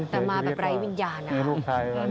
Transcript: แต่มาแบบไร้วิญญาณนะครับ